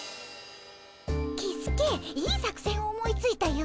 キスケいい作戦を思いついたよ。